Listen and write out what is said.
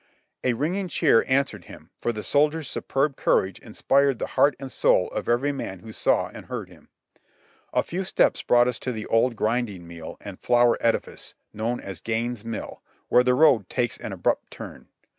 A ringing cheer answered him, for the soldier's superb courage inspired the heart and soul of every man who saw and heard him. A few steps brought us to the old grinding meal and flour edifice, known as Gaines' Mill, where the road takes an abrupt turn.